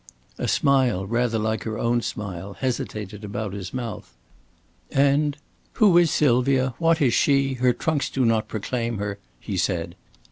A smile, rather like her own smile, hesitated about his mouth. "And "Who is Sylvia? What is she? Her trunks do not proclaim her!" he said.